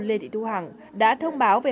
lê thị thu hằng đã thông báo về